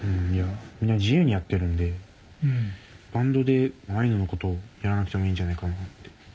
みんな自由にやってるんでバンドでアイヌのことやらなくてもいいんじゃないかなって。